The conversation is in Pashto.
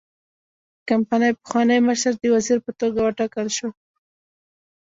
د کمپنۍ پخوانی مشر د وزیر په توګه وټاکل شو.